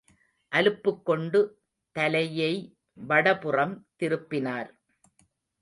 அலுப்புக்கொண்டு தலையை வடபுறம் திரும்பினார்.